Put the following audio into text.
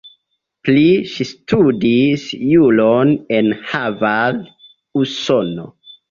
Plie ŝi studis juron en Harvard, Usono.